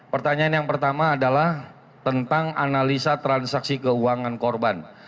pertanyaan yang pertama adalah tentang analisa transaksi keuangan korban